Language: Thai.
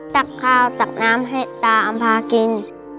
ตักข้าวตักน้ำให้ตาอำพากิน